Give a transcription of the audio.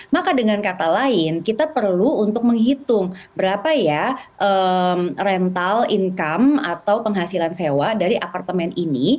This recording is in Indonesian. maka dengan kata lain kita perlu untuk menghitung berapa ya rental income atau penghasilan sewa dari apartemen ini